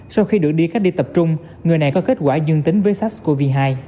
sau khi được đi cách ly tập trung người này có kết quả dương tính với sars cov hai